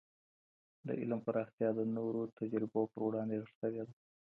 د علم پراختيا د نورو تجربو په وړاندې غښتلې ده.